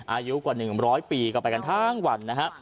อายุกว่า๑๐๐ปีก็ไปกันทั้งวันนะฮะ